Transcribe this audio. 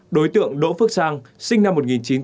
đối tượng đỗ phước sang sinh năm một nghìn chín trăm tám mươi